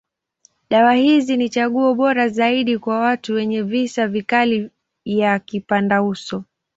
Dawa hizi ni chaguo bora zaidi kwa watu wenye visa vikali ya kipandauso.